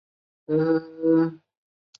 车站色调为米黄色。